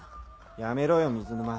やめろよ水沼。